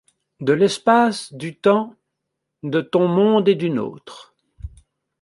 De l’espace, du temps, de ton monde et du nôtre